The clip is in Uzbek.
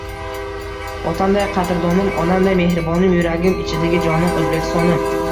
Otamday qadrdonim, onamday mehribonim, yuragim ichidagi jonim — O‘zbekistonim!